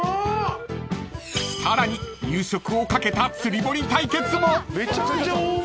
［さらに夕食をかけた釣り堀対決も！］